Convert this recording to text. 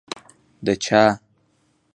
د چا؟